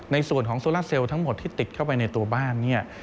ในส่วนของโซล่าเซลล์ทั้งหมดที่ติดเข้าไปในตัวบ้านเนี่ย